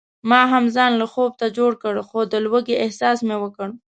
ما هم ځان لږ خوب ته جوړ کړ خو د لوږې احساس مې وکړ.